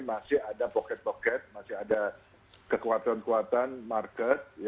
masih ada poket poket masih ada kekuatan kekuatan market